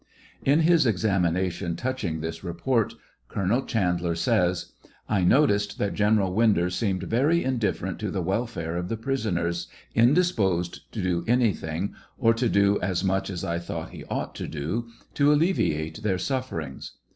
In his examination touching this report, Colonel Chandler says t I noticed that General Winder seemed very indifferent to the welfare of the prisoners, indisposed to do anything, or to do as much as I thought he ought to do, to alleviate their sufferings.